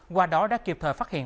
qua đó đã kịp thời phát hiện